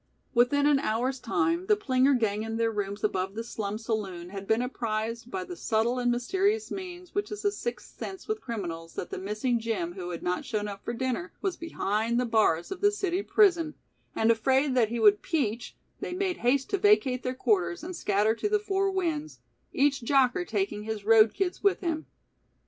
Within an hour's time the plinger gang in their rooms above the slum saloon had been apprised by the subtle and mysterious means which is a sixth sense with criminals, that the missing Jim, who had not shown up for dinner, was behind the bars of the city prison, and afraid that he would "peach" they made haste to vacate their quarters and scattered to the four winds, each jocker taking his road kids with him.